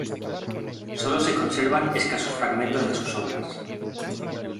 Sólo se conservan escasos fragmentos de sus obras.